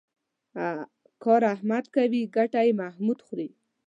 کار احمد کوي ګټه یې محمود خوري.